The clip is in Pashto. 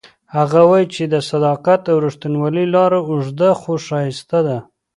هغه وایي چې د صداقت او ریښتینولۍ لاره اوږده خو ښایسته ده